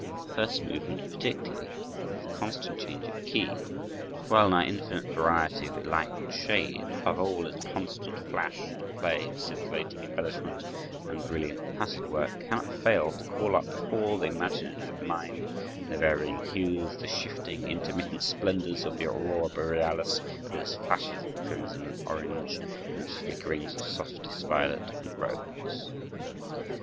The first movement particularly, with its constant change of key, its well nigh infinite variety of light and shade, above all, its constant flash and play of scintillating embellishment and brilliant passage work, cannot fail to call up before the imaginative mind the varying hues, the shifting, intermittent splendors of the aurora borealis, with its flashes of crimson and orange, and its flickerings of softest violet and rose.